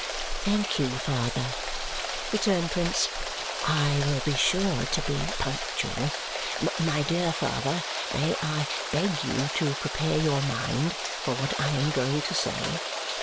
"Thank you, father," returned Prince, "I will be sure to be punctual. My dear father, may I beg you to prepare your mind for what I am going to say?"